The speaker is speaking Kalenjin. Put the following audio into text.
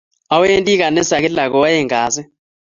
Awendi kanisa kila koaeng kasi.